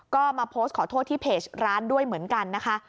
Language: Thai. ก็มาโพสต์ขอโทษที่เพจร้านด้วยเหมือนกันนะคะ